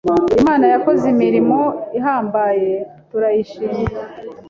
Imana yakoze imirimo ihambaye turayishima